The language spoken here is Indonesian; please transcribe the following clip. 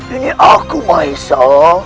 ini aku mahesa